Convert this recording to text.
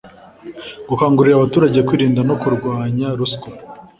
gukangurira abaturage kwirinda no kurwanya ruswa